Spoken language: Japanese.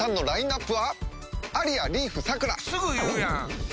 すぐ言うやん！